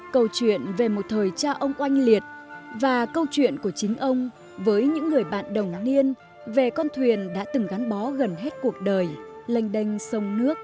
câu chuyện về một thời cha ông oanh liệt và câu chuyện của chính ông với những người bạn đồng liên về con thuyền đã từng gắn bó gần hết cuộc đời lênh đênh sông nước